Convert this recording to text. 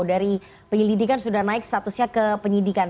dari penyelidikan sudah naik statusnya ke penyidikan